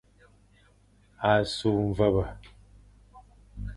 A su mvebe.